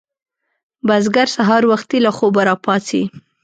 بزګر سهار وختي له خوبه راپاڅي